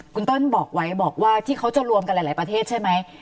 คุณต้นบอกไว้บอกว่าที่เขาจะรวมกันหลายประเทศใช่ไหม